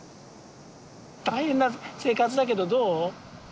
大変な生活だけどどう？